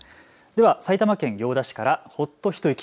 では埼玉県行田市から、ほっと一息。